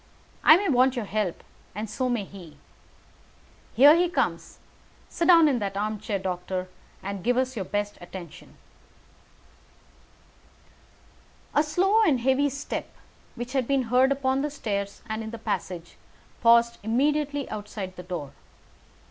I may want your help, and so may he. Here he comes. Sit down in that armchair, doctor, and give us your best attention." A slow and heavy step, which had been heard upon the stairs and in the passage, paused immediately outside the door.